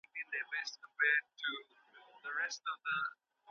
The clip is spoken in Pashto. هره نوي خبره په لومړي سر کي عجیبه بریښي.